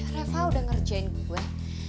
reva udah ngerjain gue